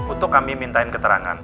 untuk kami minta keterangan